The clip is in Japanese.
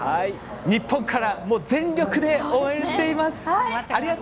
日本から全力で応援しています。